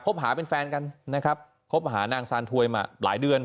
หาเป็นแฟนกันนะครับคบหานางซานทวยมาหลายเดือน